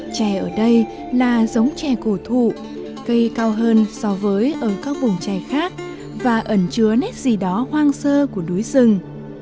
trẻ ở đây là giống trẻ cổ thụ cây cao hơn so với ở các bùng trẻ khác và ẩn chứa nét gì đó hoang sơ của đuối rừng